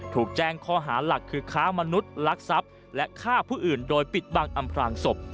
ถูกแจ้งข้อหาหลักคือค้ามนุษย์ลักทรัพย์และฆ่าผู้อื่นโดยปิดบังอำพลางศพ